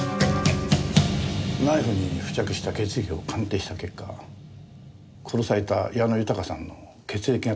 ナイフに付着した血液を鑑定した結果殺された矢野豊さんの血液型